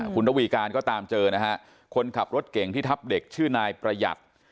คุณระวีการก็ตามเจอนะฮะคนขับรถเก่งที่ทับเด็กชื่อนายประหยัด